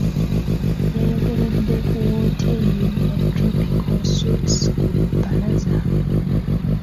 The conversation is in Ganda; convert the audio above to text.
Yayogeredde ku wooteeri ya tropical suites ku Bbalaza.